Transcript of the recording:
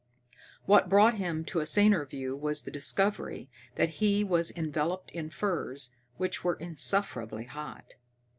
What brought him to a saner view was the discovery that he was enveloped in furs which were insufferably hot.